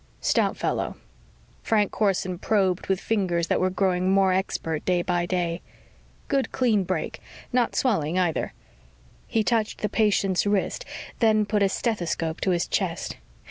"Stout fellow." Frank Corson probed with fingers that were growing more expert day by day. "Good clean break. Not swelling, either." He touched the patient's wrist, then put a stethoscope to his chest.